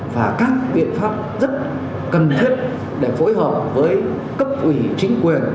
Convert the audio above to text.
và các viện pháp rất cần thiết để phối hợp với cấp quỷ chính quyền